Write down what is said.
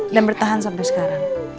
dan bertahan sampai sekarang